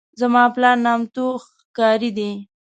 زما پلار نامتو ښکاري دی.